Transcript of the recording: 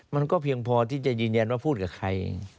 มันก็เพียงพอที่จะยืนยันว่าพูดกับใคร